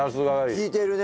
利いてるね。